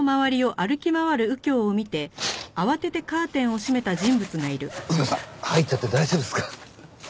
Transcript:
右京さん入っちゃって大丈夫ですか？